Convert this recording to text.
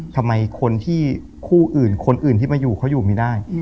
ทำไมคนที่คู่อื่นคนอื่นที่มาอยู่เขาอยู่ไม่ได้